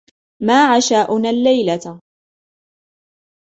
ما عشاؤنا الليلة؟